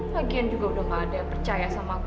lagian juga udah gak ada percaya sama aku